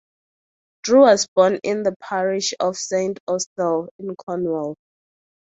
Drew was born in the parish of Saint Austell, in Cornwall.